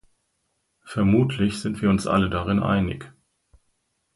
Vermutlich sind wir uns alle darin einig.